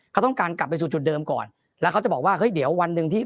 เขาต้องการกลับไปสู่เดิมบ่อยแล้วไปเวลาซับหวังว่าเคยเดี๋ยววันเรื่องที่